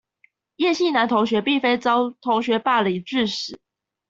葉姓男同學並非遭同學霸凌致死